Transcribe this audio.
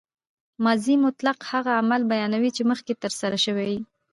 ماضي مطلق هغه عمل بیانوي، چي مخکښي ترسره سوی يي.